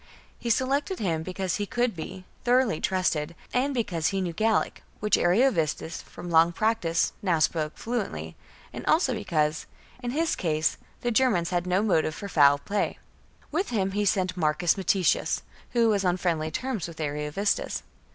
He selected him because he could be thoroughly trusted, and because he knew Gallic, which Ariovistus, from long practice, now spoke fluently, and also because, in his case, the Germans had no motive for foul play. With him he sent Marcus Metius, who was on friendly terms with Ariovistus.